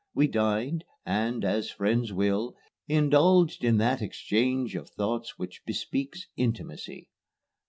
We dined, and, as friends will, indulged in that exchange of thoughts which bespeaks intimacy.